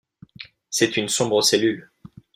C’est une sombre cellule.